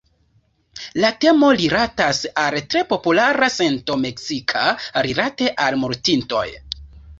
La temo rilatas al tre populara sento meksika rilate al mortintoj.